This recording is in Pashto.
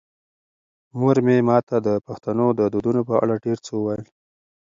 مور مې ماته د پښتنو د دودونو په اړه ډېر څه وویل.